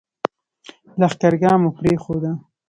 لښکرګاه مو پرېښوده.